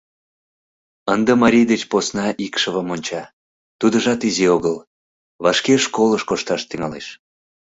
Ынде марий деч посна икшывым онча, тудыжат изи огыл, вашке школыш кошташ тӱҥалеш.